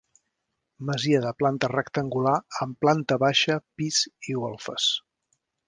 Masia de planta rectangular, amb planta baixa, pis i golfes.